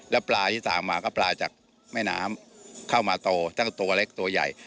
แล้วปลาที่สั่งมาก็ปลาจากแม่น้ำเข้ามาโตตั้งแต่ตัวเล็กตัวใหญ่